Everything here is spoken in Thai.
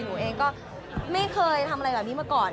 หนูเองก็ไม่เคยทำอะไรแบบนี้มาก่อน